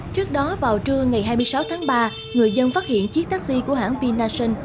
trước đó vào trưa ngày hai mươi sáu tháng ba người dân phát hiện chiếc taxi của hãng vinason